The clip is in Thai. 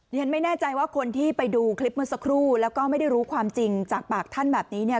ฉันไม่แน่ใจว่าคนที่ไปดูคลิปเมื่อสักครู่แล้วก็ไม่ได้รู้ความจริงจากปากท่านแบบนี้เนี่ย